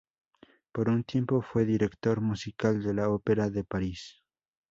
Por un tiempo fue director musical de la Ópera de París.